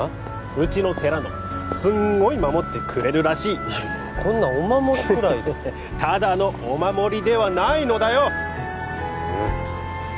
うちの寺のすんごい守ってくれるらしいいやいやいやこんなお守りくらいでただのお守りではないのだようん？